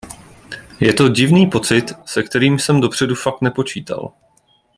Je to divný pocit, se kterým jsem dopředu fakt nepočítal.